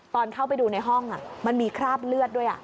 ตอนเข้าไปดูในห้องมันมีคราบเลือดด้วย